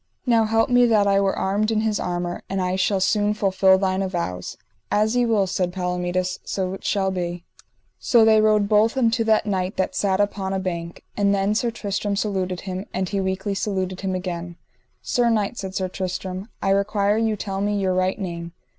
Now help me that I were armed in his armour, and I shall soon fulfil thine avows. As ye will, said Palomides, so it shall be. So they rode both unto that knight that sat upon a bank, and then Sir Tristram saluted him, and he weakly saluted him again. Sir knight, said Sir Tristram, I require you tell me your right name.